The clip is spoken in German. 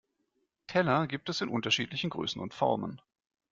Teller gibt es in unterschiedlichen Größen und Formen.